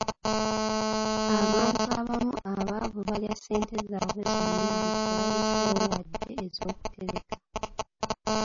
Abantu abamu abaavu balya ssente zaabwe zonna nga tebaleseeyo wadde ez'okutereka.